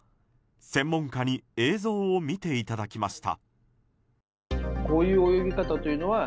専門家に映像を見ていただきました。